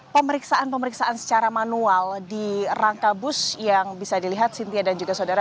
pemeriksaan pemeriksaan secara manual di rangka bus yang bisa dilihat cynthia dan juga saudara